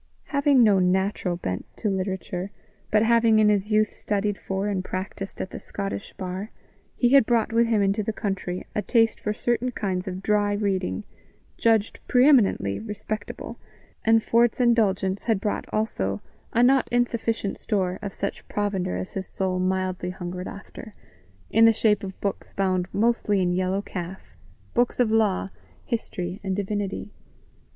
Having no natural bent to literature, but having in his youth studied for and practised at the Scotish bar, he had brought with him into the country a taste for certain kinds of dry reading, judged pre eminently respectable, and for its indulgence had brought also a not insufficient store of such provender as his soul mildly hungered after, in the shape of books bound mostly in yellow calf books of law, history, and divinity.